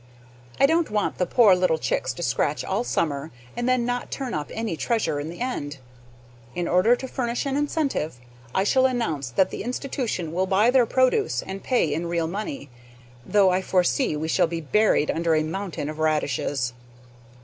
I don't want the poor little chicks to scratch all summer, and then not turn up any treasure in the end. In order to furnish an incentive, I shall announce that the institution will buy their produce and pay in real money, though I foresee we shall be buried under a mountain of radishes.